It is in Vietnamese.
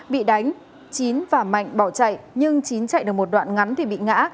bị đánh chín và mạnh bỏ chạy nhưng chín chạy được một đoạn ngắn thì bị ngã